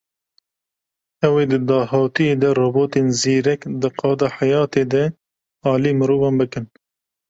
Ew ê di dahatûyê de robotên zîrek di qada heyatê de alî mirovan bikin.